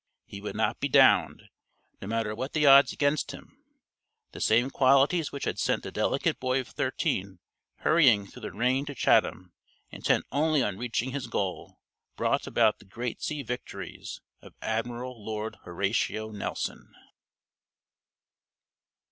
He would not be downed, no matter what the odds against him. The same qualities which had sent the delicate boy of thirteen hurrying through the rain to Chatham, intent only on reaching his goal, brought about the great sea victories of Admiral Lord Horatio Nelson.